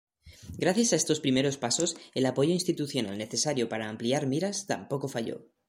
Gracias a estos primeros pasos, el apoyo institucional necesario para ampliar miras tampoco falló.